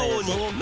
何？